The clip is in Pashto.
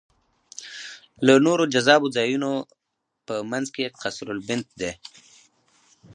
له نورو جذابو ځایونو په منځ کې قصرالبنت دی.